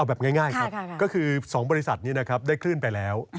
แบบง่ายครับก็คือ๒บริษัทนี้นะครับได้คลื่นไปแล้ว